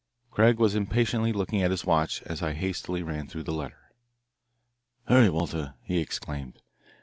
Craig was impatiently looking at his watch as I hastily ran through the letter. "Hurry, Walter," he exclaimed.